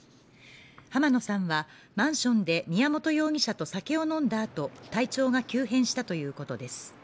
濱野さんはマンションで宮本容疑者と酒を飲んだ後、体調が急変したということです。